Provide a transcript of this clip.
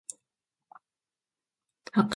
わかりません